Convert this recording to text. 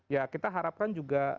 ya kita harapkan juga